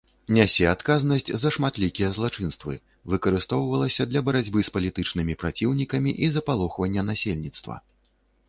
Нясе адказнасць за шматлікія злачынствы, выкарыстоўвалася для барацьбы з палітычнымі праціўнікамі і запалохвання насельніцтва.